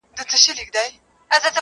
سپین اغوستي لکه بطه غوندي ښکلی!